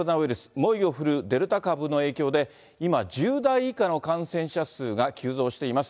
猛威を振るうデルタ株の影響で今、１０代以下の感染者数が急増しています。